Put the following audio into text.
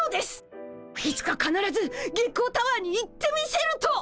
いつかかならず月光タワーに行ってみせると！